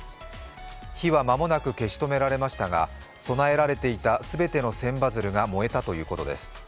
火は間もなく消し止められましたが供えられていた全ての千羽鶴が燃えたということです。